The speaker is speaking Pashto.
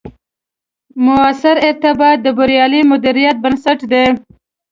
مؤثر ارتباط، د بریالي مدیریت بنسټ دی